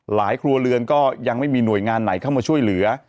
ครัวเรือนก็ยังไม่มีหน่วยงานไหนเข้ามาช่วยเหลือ